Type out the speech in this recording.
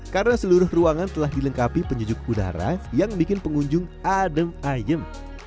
karena seluruh ruangan telah dilengkapi penyujuk udara yang membuat pengunjung adem ayem